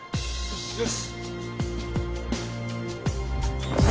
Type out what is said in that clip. よし。